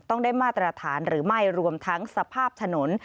ต้องได้มาตรฐานหรือไม่รวมทั้งสภาพถนน